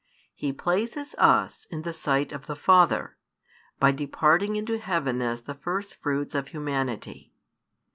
He places us in the sight of the Father, by departing into heaven as the firstfruits of humanity.